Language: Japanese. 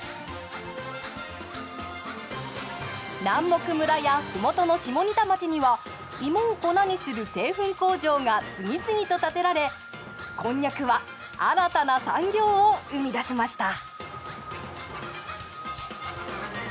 南牧村や麓の下仁田町には芋を粉にする製粉工場が次々と建てられこんにゃくは新たな産業を生み出しました。